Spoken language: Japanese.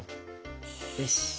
よし！